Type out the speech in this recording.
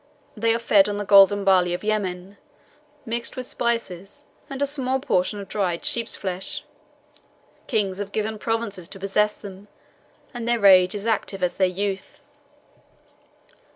They are fed on the golden barley of Yemen, mixed with spices and with a small portion of dried sheep's flesh. Kings have given provinces to possess them, and their age is active as their youth.